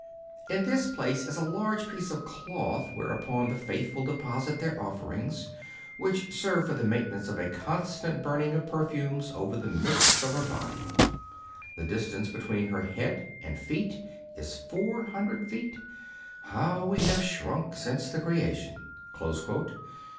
In this place is a large piece of cloth, whereon the faithful deposit their offerings, which serve for the maintenance of a constant burning of perfumes over the midst of her body. The distance between her head and feet is 400 feet. How we have shrunk since the creation